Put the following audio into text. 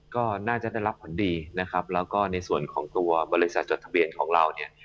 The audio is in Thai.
ก็น่าจะได้รับผลดีนะครับแล้วก็ในส่วนของตัวบริษัทจดทะเบียนของเราเนี่ย